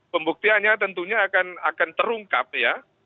pembuktiannya tentunya akan terungkap ya